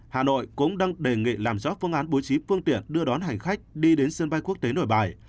hà nội cũng đang đề nghị làm rõ phương án bố trí phương tiện đưa đón hành khách đi đến sân bay quốc tế nội bài